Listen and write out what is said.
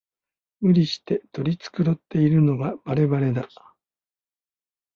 無理して取り繕ってるのがバレバレだ